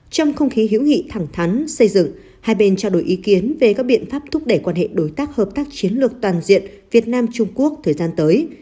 trong không khí hữu nghị thẳng thắn xây dựng hai bên trao đổi ý kiến về các biện pháp thúc đẩy quan hệ đối tác hợp tác chiến lược toàn diện việt nam trung quốc thời gian tới